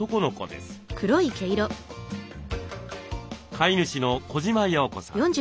飼い主の児島葉子さん。